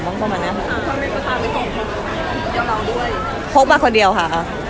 พบมาคนเดียวค่ะ